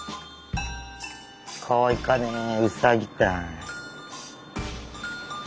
かわいかねウサギたい。